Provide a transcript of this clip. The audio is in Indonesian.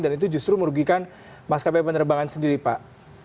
dan itu justru merugikan mas kp penerbangan sendiri pak